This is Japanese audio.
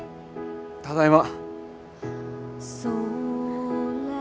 ただいま。